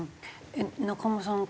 中村さん